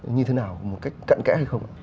như thế nào một cách cận kẽ hay không